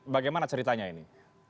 bagaimana ceritanya ini